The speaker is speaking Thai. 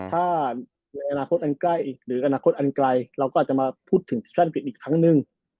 ถ้าในอนาคตอันใกล้หรืออนาคตอันไกลเราก็อาจจะมาพูดถึงซังกฤษอีกครั้งนึง